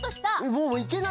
もういけないよ。